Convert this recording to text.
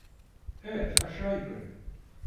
Evet, aşağı yukarı.